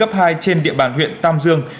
học sinh cấp hai trên địa bàn huyện tam dương